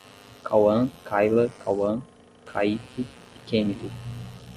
Cauam, Kaila, Kauam, Kaiky e Kemilly